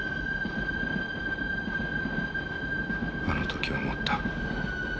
あの時思った。